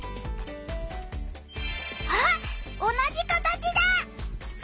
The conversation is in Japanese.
あっ同じ形だ！